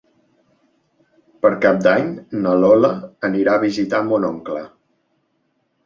Per Cap d'Any na Lola anirà a visitar mon oncle.